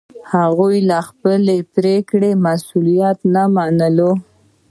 هغوی د خپلې پرېکړې مسوولیت نه منلو.